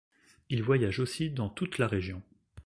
Il voyage aussi dans toute la région.